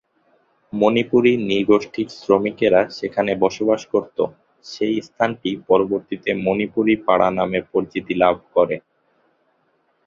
মণিপুরি নৃ-গোষ্ঠীর শ্রমিকেরা সেখানে বসবাস করতো, সেই স্থানটি পরবর্তীতে 'মণিপুরী পাড়া' নামে পরিচিতি লাভ করে।